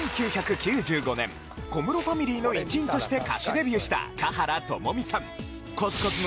小室ファミリーの一員として歌手デビューした華原朋美さん